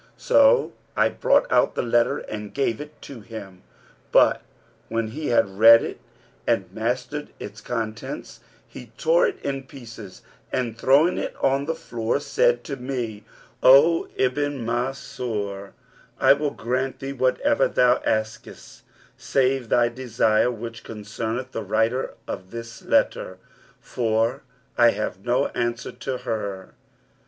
so I brought out the letter and gave it to him; but, when he had read it and mastered its contents, he tore it in pieces and throwing it on the floor, said to me, 'O Ibn Mansur, I will grant thee whatever thou askest save thy desire which concerneth the writer of this letter, for I have no answer to her.'